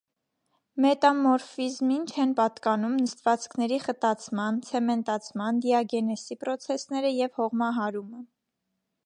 Մետամորֆիզմին չեն պատկանում նստվածքների խտացման, ցեմենտացման, դիագենեզի պրոցեսները և հողմահարումը։